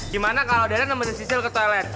gimana kalau deren nembesin sisil ke toilet